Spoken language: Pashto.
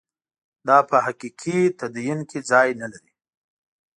دا په حقیقي تدین کې ځای نه لري.